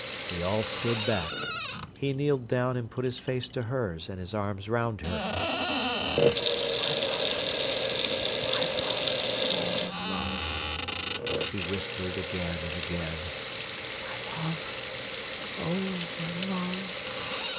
They all stood back. He kneeled down, and put his face to hers and his arms round her: "My love—my love—oh, my love!" he whispered again and again. "My love—oh, my love!"